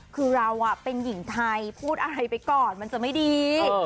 คือเราเป็นหญิงไทยพูดอะไรไปก่อนมันจะไม่ดี